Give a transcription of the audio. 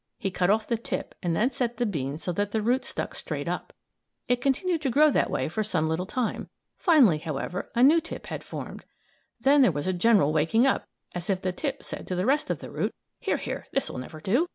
He cut off the tip and then set the bean so that the root stuck straight up. It continued to grow that way for some little time. Finally, however, a new tip had formed. Then there was a general waking up, as if the tip said to the rest of the root: "Here, here, this will never do!